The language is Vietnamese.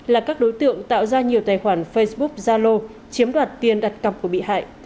là các đối tượng tạo ra nhiều tài khoản facebook zalo chiếm đoạt tiền đặt cọc của bị hại